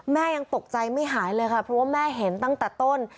ยังตกใจไม่หายเลยค่ะเพราะว่าแม่เห็นตั้งแต่ต้น